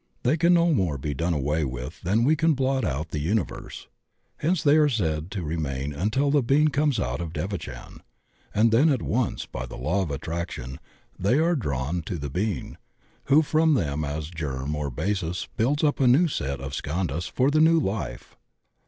They can no more be done away with than we can blot out the universe. Hence they are said to remain until the being comes out of devachan, and then at once by the law of attraction they are drawn to the being, who from them as germ or basis builds up a new set of skandhas for the new life.